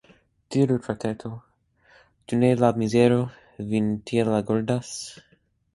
Diru, frateto, ĉu ne la mizero vin tiel agordas?